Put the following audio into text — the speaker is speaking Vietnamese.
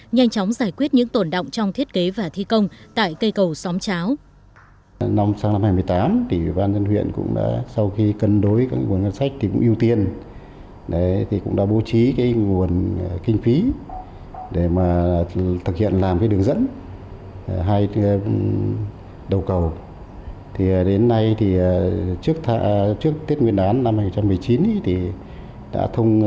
nhanh chóng giải quyết những tổn động trong thiết kế và thi công tại cây cầu xóm cháo